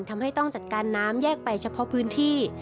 ทำให้ต้องจัดการน้ำแยกไปเฉพาะพื้นที่